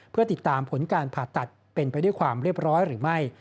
เพื่อติดตามผลการผ่าตัดเป็นไปด้วยความเรียบร้อยหรือไม่